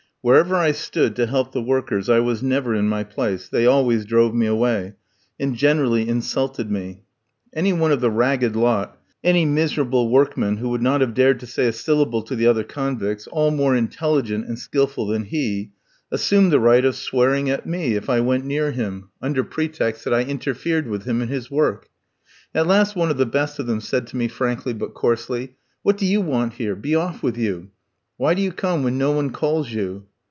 Wherever I stood to help the workers I was never in my place; they always drove me away, and generally insulted me. Any one of the ragged lot, any miserable workman who would not have dared to say a syllable to the other convicts, all more intelligent and skilful than he, assumed the right of swearing at me if I went near him, under pretext that I interfered with him in his work. At last one of the best of them said to me frankly, but coarsely: "What do you want here? Be off with you! Why do you come when no one calls you?"